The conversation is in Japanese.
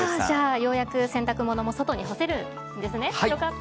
ようやく洗濯物も外に干せるんですね、よかった。